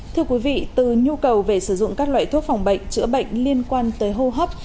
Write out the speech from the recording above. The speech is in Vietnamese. thưa quý vị từ nhu cầu về sử dụng các loại thuốc phòng bệnh chữa bệnh liên quan tới hô hấp